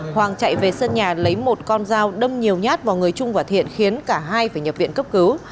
hoàng chạy về sân nhà lấy một con dao đâm nhiều nhát vào người trung và thiện khiến cả hai phải nhập viện cấp cứu